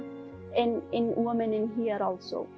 dan juga wanita di sini